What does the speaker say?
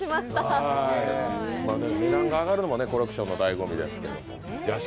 値段が上がるのもコレクションのだいご味ですけど。